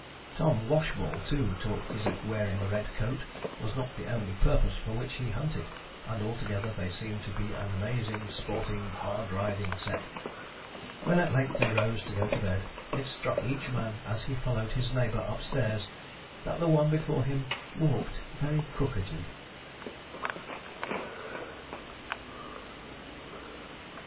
Tom Washball, too, talked as if wearing a red coat was not the only purpose for which he hunted; and altogether they seemed to be an amazing, sporting, hard riding set. When at length they rose to go to bed, it struck each man as he followed his neighbour upstairs that the one before him walked very crookedly.